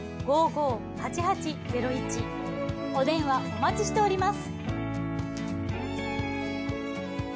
お電話お待ちしております。